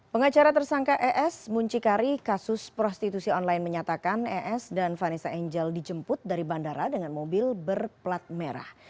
pengacara tersangka es muncikari kasus prostitusi online menyatakan es dan vanessa angel dijemput dari bandara dengan mobil berplat merah